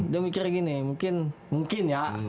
dia mikir gini mungkin ya